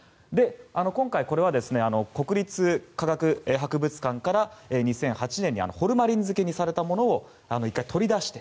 今回、これは国立科学博物館から２００８年にホルマリン漬けにされたものを１回、取り出して。